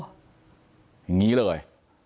อย่างนี้เลย